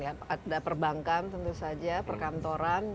ada perbankan tentu saja perkantoran gitu ya